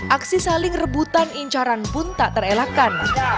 aksi saling rebutan incaran pun tak terelakkan